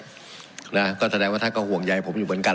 ผมจะขออนุญาตให้ท่านอาจารย์วิทยุซึ่งรู้เรื่องกฎหมายดีเป็นผู้ชี้แจงนะครับ